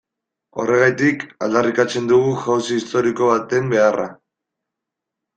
Horregatik aldarrikatzen dugu jauzi historiko baten beharra.